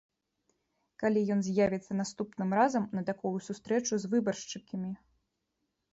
Калі ён з'явіцца наступным разам на такую сустрэчу з выбаршчыкамі.